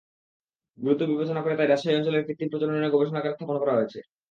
গুরুত্ব বিবেচনা করে তাই রাজশাহী অঞ্চলেই কৃত্রিম প্রজননের গবেষণাগার স্থাপন করা হয়েছে।